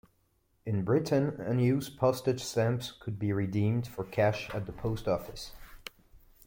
In Britain unused postage stamps could be redeemed for cash at the post office.